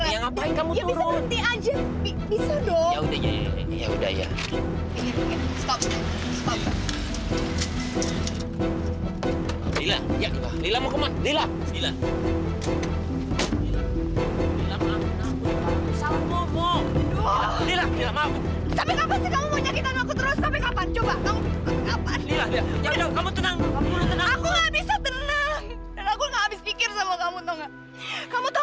yang kamu lihat itu selalu dewi tau gak